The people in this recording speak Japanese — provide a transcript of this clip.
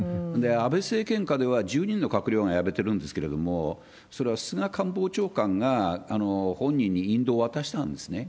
安倍政権下では、１０人の閣僚が辞めてるんですけれども、それは菅官房長官が本人に引導を渡したんですね。